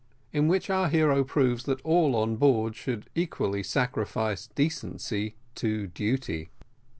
IN WHICH OUR HERO PROVES THAT ALL ON BOARD SHOULD EQUALLY SACRIFICE DECENCY TO DUTY.